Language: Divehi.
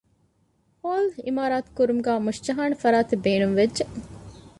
ހޯލު އިމާރާތުގައި މުށިޖަހާނެ ފަރާތެއް ބޭނުންވެއްޖެ